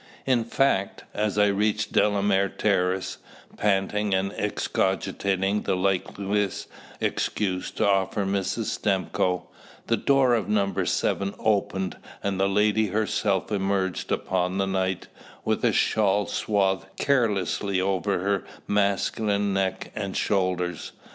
In fact, as I reached Delamere Terrace, panting and excogitating the likeliest excuse to offer Mrs. Stimcoe, the door of No. 7 opened, and the lady herself emerged upon the night, with a shawl swathed carelessly over her masculine neck and shoulders.